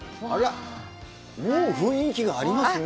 もう雰囲気がありますね。